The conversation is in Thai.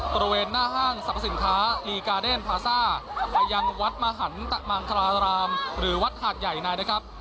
ประเวณหน้าห้างสรรพสินค้าลีการเดนพาซ่าหรือวัดหักใหญ่นะครับ